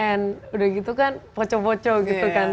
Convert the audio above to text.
dan udah gitu kan poco poco gitu kan